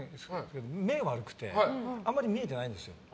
目が悪くてあんまり見えてないんですよ。